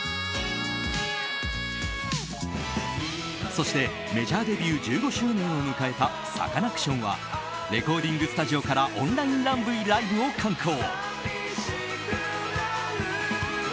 そして、メジャーデビュー１５周年を迎えたサカナクションはレコーディングスタジオからオンラインライブを敢行。